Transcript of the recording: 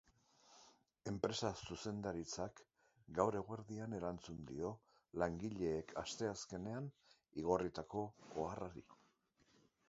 Enpresa zuzendaritzak gaur eguerdian erantzun dio langileek asteazkenean igorritako oharrari.